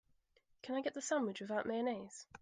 Can I get the sandwich without mayonnaise?